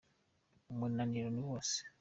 umunaniro niwose.